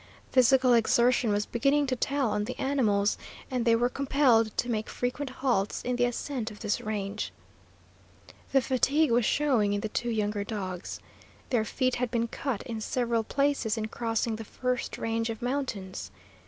Physical exertion was beginning to tell on the animals, and they were compelled to make frequent halts in the ascent of this range. The fatigue was showing in the two younger dogs. Their feet had been cut in several places in crossing the first range of mountains.